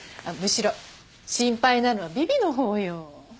むしろ心配なのはビビのほうよ。